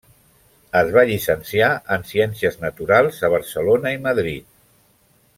Es va llicenciar en Ciències naturals a Barcelona i Madrid.